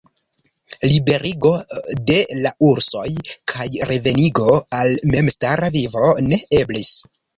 Liberigo de la ursoj kaj revenigo al memstara vivo ne eblis.